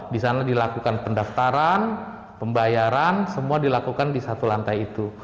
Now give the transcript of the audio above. di sana dilakukan pendaftaran pembayaran semua dilakukan di satu lantai itu